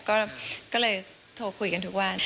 ก็เลยโทรคุยกันทุกวัน